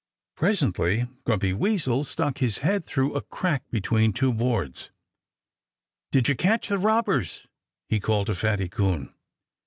Presently Grumpy Weasel stuck his head through a crack between two boards. "Did you catch the robbers?" he called to Fatty Coon.